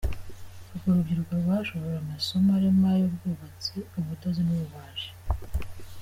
Urwo rubyiruko rwasoje amasomo arimo ay’ubwubatsi, ubudozi n’ububaji.